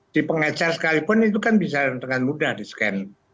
di pengecer sekalipun itu kan bisa dengan mudah di scan